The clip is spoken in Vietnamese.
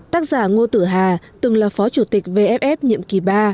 tác giả ngô tử hà từng là phó chủ tịch vff nhiệm kỳ ba